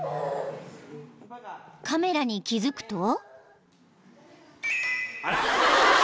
［カメラに気付くと］